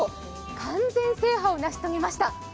完全制覇を成し遂げました。